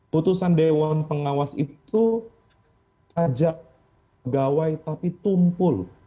putusan dewan pengawas itu ajak pegawai tapi tumpul